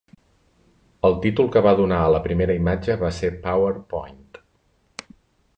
El títol que va donar a la primera imatge va ser Power Point.